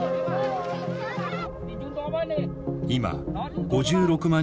今５６万